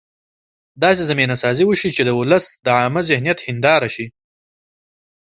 داسې زمینه سازي وشي چې د ولس د عامه ذهنیت هنداره شي.